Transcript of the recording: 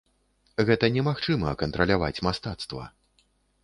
Гэта немагчыма, кантраляваць мастацтва.